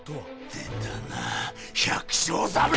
出たな百姓侍！